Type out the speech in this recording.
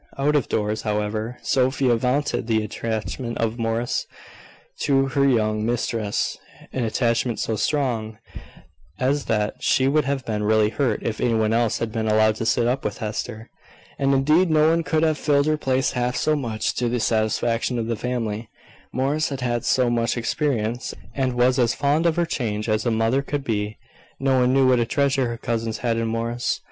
Out of doors, however, Sophia vaunted the attachment of Morris to her young mistress an attachment so strong, as that she would have been really hurt if any one else had been allowed to sit up with Hester; and indeed no one could have filled her place half so much to the satisfaction of the family Morris had had so much experience, and was as fond of her charge as a mother could be. No one knew what a treasure her cousins had in Morris.